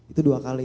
itu dua kali